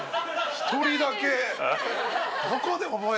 １人だけ。